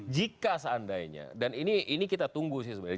jika seandainya dan ini kita tunggu sih sebenarnya